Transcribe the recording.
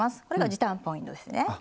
これが時短ポイントですね。